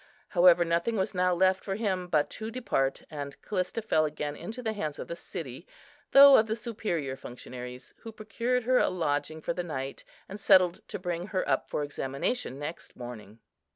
However, nothing was now left for him but to depart; and Callista fell again into the hands of the city, though of the superior functionaries, who procured her a lodging for the night, and settled to bring her up for examination next morning.